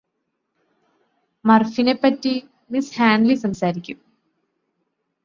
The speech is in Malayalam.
മര്ഫിനെപ്പറ്റി മിസ്സ് ഹാന്ലി സംസാരിക്കും